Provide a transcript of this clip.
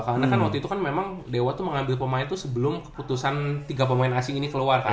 karena kan waktu itu kan memang dewa tuh mengambil pemain tuh sebelum keputusan tiga pemain asing ini keluar kan